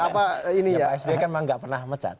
pak s b kan memang nggak pernah mencat